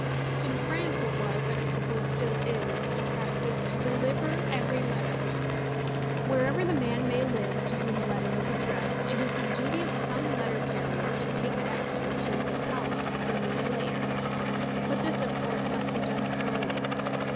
In France it was, and I suppose still is, the practice to deliver every letter. Wherever the man may live to whom a letter is addressed, it is the duty of some letter carrier to take that letter to his house, sooner or later. But this, of course, must be done slowly.